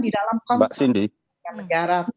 itu diletakkan di dalam kontrak negara